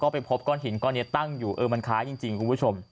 ไปพบก้อนหินก้อนนี้ตั้งอยู่เออมันคล้ายจริงคุณผู้ชม